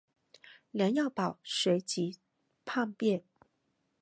梁耀宝随即叛变。